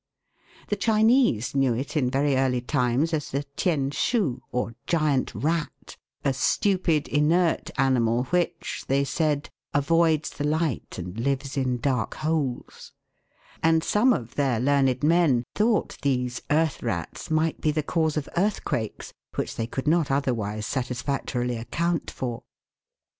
The Chinese knew it in very early times as the " Tien shu," or "giant rat," "a stupid, inert animal, which," they said, u avoids the light and lives in dark holes ;" and some of their learned men thought these " earth rats " might be the cause of earthquakes, which they could not otherwise satis factorily account for.